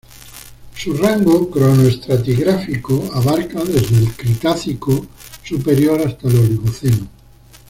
Su rango cronoestratigráfico abarcaba desde el Cretácico superior hasta el Oligoceno.